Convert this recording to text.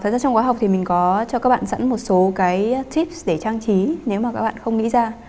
thật ra trong khóa học thì mình có cho các bạn sẵn một số cái tips để trang trí nếu mà các bạn không nghĩ ra